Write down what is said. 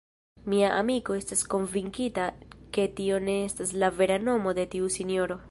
Mia amiko estas konvinkita, ke tio ne estas la vera nomo de tiu sinjoro.